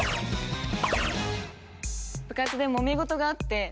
部活でもめ事があって。